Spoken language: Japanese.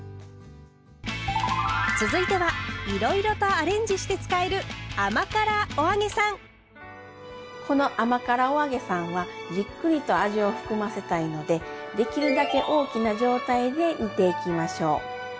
続いてはいろいろとアレンジして使えるこの甘辛お揚げさんはじっくりと味を含ませたいのでできるだけ大きな状態で煮ていきましょう。